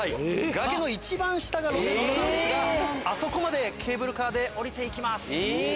崖の一番下が露天風呂ですがあそこまでケーブルカーで下りて行きます。